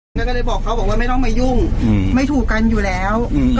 แล้วก็เลยบอกเขาบอกว่าไม่ต้องมายุ่งไม่ถูกกันอยู่แล้ว